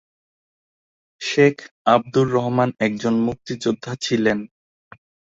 শেখ আব্দুর রহমান একজন মুক্তিযোদ্ধা ছিলেন।